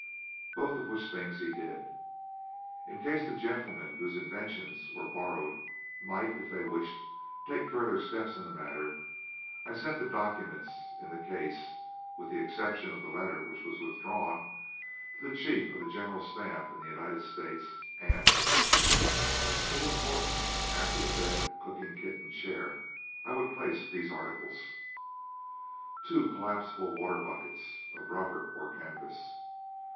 Both of which things he did. In case the gentlemen whose inventions were "borrowed" might, if they wished, take further steps in the matter, I sent the documents in the case, with the exception of the letter which was withdrawn, to the chief of the General Staff in the United States and in England. In importance after the bed, cooking kit, and chair, I would place these articles: Two collapsible water buckets of rubber or canvas.